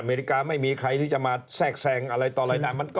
เมริกาไม่มีใครที่จะมาแทรกแทรงอะไรต่ออะไรนะ